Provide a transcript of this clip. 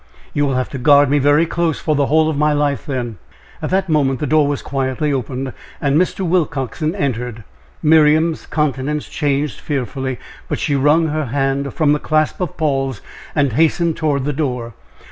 "You will have to guard me very close for the whole of my life, then." At that moment the door was quietly opened, and Mr. Willcoxen entered. Miriam's countenance changed fearfully, but she wrung her hand from the clasp of Paul's, and hastened toward the door.